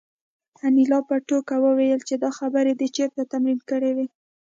انیلا په ټوکه وویل چې دا خبرې دې چېرته تمرین کړې وې